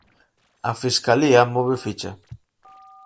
A Fiscalía move ficha.